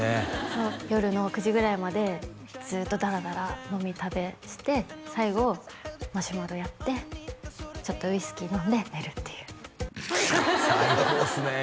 そう夜の９時ぐらいまでずっとダラダラ飲み食べして最後マシュマロやってちょっとウイスキー飲んで寝るっていう最高っすね